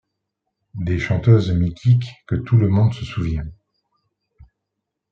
Des chanteuses mythiques que tout le monde se souvient.